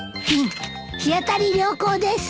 「日当たり良好」です！